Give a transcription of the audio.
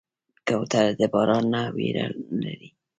کوتره د باران نه ویره نه لري.